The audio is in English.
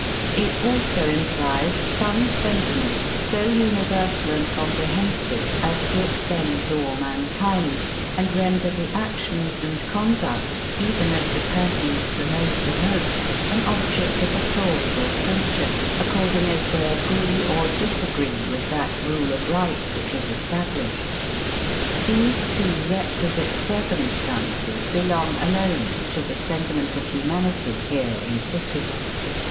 It also implies some sentiment, so universal and comprehensive as to extend to all mankind, and render the actions and conduct, even of the persons the most remote, an object of applause or censure, according as they agree or disagree with that rule of right which is established. These two requisite circumstances belong alone to the sentiment of humanity here insisted on.